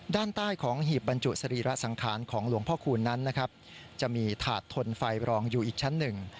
ด้านใต้ของหีบบรรจุสรีระสังขารของหลวงพ่อคูณนั้นนะครับจะมีถาดทนไฟรองอยู่อีกชั้นหนึ่ง